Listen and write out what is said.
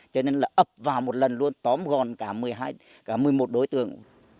cho nên là ập vào một lần luôn tóm gòn cả một mươi một đối tượng